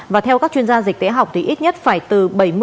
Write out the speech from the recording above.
và theo các chuyên gia dịch tễ học thì ít nhất phải từ bảy mươi